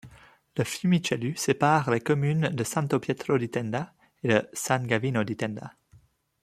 Le Fiumicellu sépare les communes de Santo-Pietro-di-Tenda et de San-Gavino-di-Tenda.